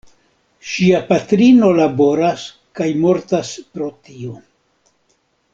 Ŝia patrino laboras kaj mortas pro tio.